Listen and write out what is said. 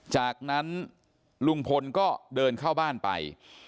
จากนั้นลุงพลก็เดินเข้าบ้านไป